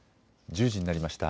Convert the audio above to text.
１０時になりました。